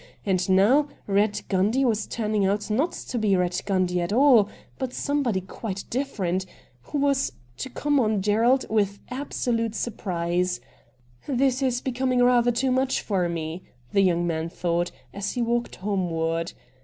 And now Eatt Gundy was turning out not to be Eatt Gundy at all, but somebody quite different, who was to 248 RED DIAMONDS come on Gerald with absolute surprise. ' This is becoming rather too much for me,' tlie young man thought, as he walked home ward.